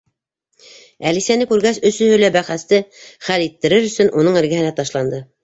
Әлисәне күргәс, өсөһө лә бәхәсте хәл иттерер өсөн уның эргәһенә ташланды.